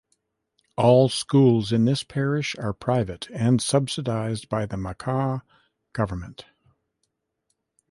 All schools in this parish are private and subsidized by the Macau government.